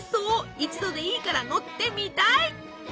一度でいいから乗ってみたい！